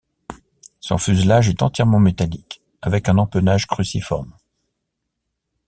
Son fuselage est entièrement métallique, avec un empennage cruciforme.